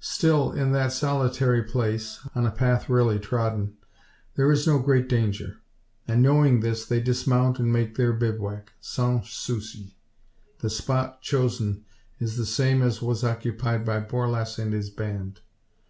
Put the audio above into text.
Still in that solitary place on a path rarely trodden there is no great danger; and knowing this, they dismount and make their bivouac sans souci. The spot chosen is the same as was occupied by Borlasse and his band.